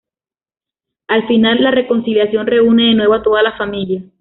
Al final, la reconciliación reúne de nuevo a toda la familia.